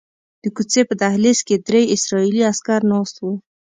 د کوڅې په دهلیز کې درې اسرائیلي عسکر ناست وو.